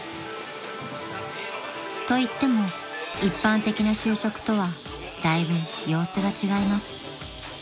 ［といっても一般的な就職とはだいぶ様子が違います］